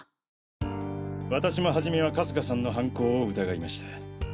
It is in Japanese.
私もはじめは春日さんの犯行を疑いました。